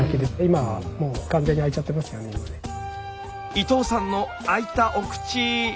伊藤さんの開いたお口。